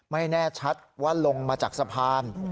แน่ชัดว่าลงมาจากสะพาน